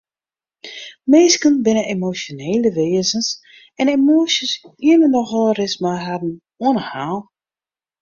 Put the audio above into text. Minsken binne emosjonele wêzens en emoasjes geane nochal ris mei harren oan 'e haal.